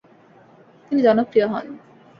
তিনি জনপ্রিয় হন।